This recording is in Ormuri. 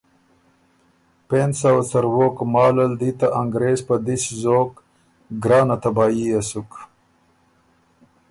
پېنځ سوه څرووک مال ال دی ته انګرېز په دِس زوک، ګرانه تبايي يې سُک۔